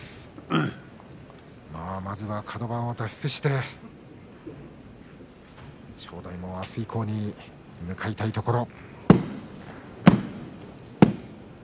まずはカド番を脱出して正代もあす以降に向かいたいところ。